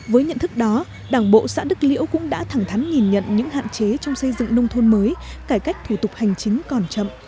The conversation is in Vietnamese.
với nhận thức đó đảng bộ xã đức liễu cũng đã thẳng thắn nhìn nhận những hạn chế trong xây dựng nông thôn mới cải cách thủ tục hành chính còn chậm